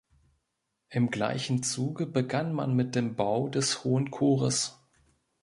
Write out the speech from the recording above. Im gleichen Zuge begann man mit dem Bau des hohen Chores.